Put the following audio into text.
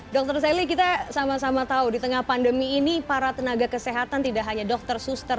dr sali kita sama sama tahu di tengah pandemi ini para tenaga kesehatan tidak hanya dokter suster